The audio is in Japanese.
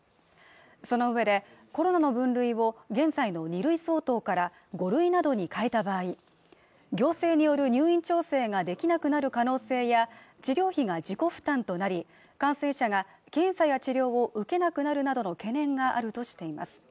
そのうえでコロナの分類を現在の２類相当から５類などに変えた場合行政による入院調整ができなくなる可能性や治療費が自己負担となり感染者が検査や治療を受けなくなるなどの懸念があるとしています